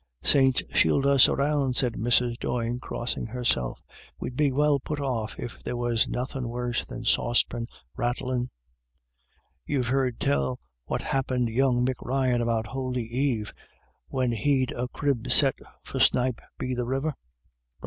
"Saints shield us around," said Mrs. Doyne, crossing herself, "we'd be well off if there was nothin' worse than saucepans rattlin'. You've heard tell what happint young Mick Ryan about Holy Eve, when he'd a crib set for snipe be the river? BETWEEN TWO LAD Y DA VS.